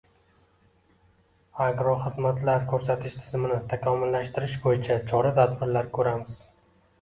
agroxizmatlar ko‘rsatish tizimini takomillashtirish bo‘yicha chora-tadbirlar ko‘ramiz.